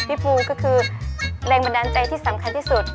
ภูก็คือแรงบันดาลใจที่สำคัญที่สุด